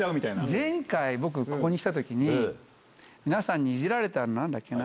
前回、僕、ここに来たときに、皆さんにいじられたの、なんだったっけな？